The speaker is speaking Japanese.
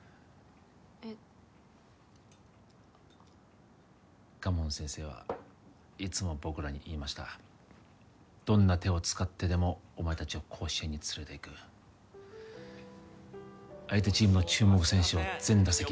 えっ賀門先生はいつも僕らに言いましたどんな手を使ってでもお前達を甲子園に連れていく相手チームの注目選手を全打席敬遠